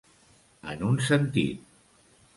En un sentit.